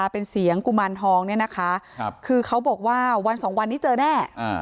เป็นเสียงกุมารทองเนี่ยนะคะคือเขาบอกว่าวันสองวันนี้เจอแน่